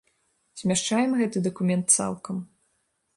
Змяшчаем гэты дакумент цалкам.